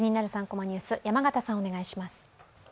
３コマニュース」、山形さん、お願いします。